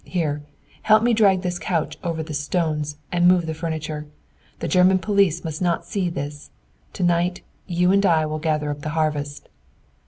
Here! Help me drag this couch over the stones, and move the furniture. The German police must not see this. To night you and I will gather up the harvest!"